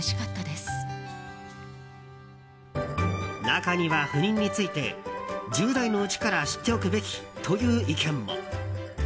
中には不妊について１０代のうちから知っておくべきという意見も。